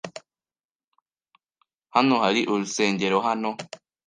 Hano hari urusengero hano